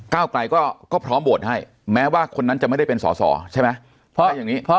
ไกลก็พร้อมโหวตให้แม้ว่าคนนั้นจะไม่ได้เป็นสอสอใช่ไหม